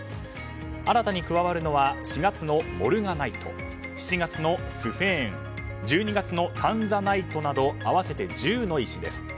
新たに加わるのは４月のモルガナイト７月のスフェーン１２月のタンザナイトなど合わせて１０の石です。